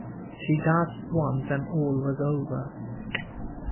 She gasped once, and all was over.